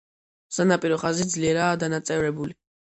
სანაპირო ხაზი ძლიერაა დანაწევრებული.